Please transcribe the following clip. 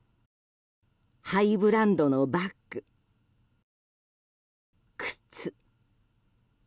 ハイブランドのバッグ、靴。